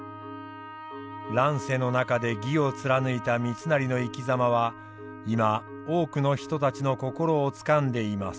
乱世の中で義を貫いた三成の生きざまは今多くの人たちの心をつかんでいます。